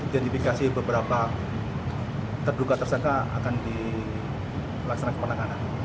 identifikasi beberapa terduga tersangka akan dilaksanakan penanganan